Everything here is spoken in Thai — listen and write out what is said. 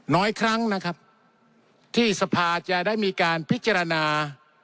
น้อยครั้งนะครับที่สภาจะได้มีการพิจารณา